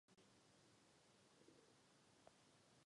Na nic takového evropští občané rozhodně nečekají.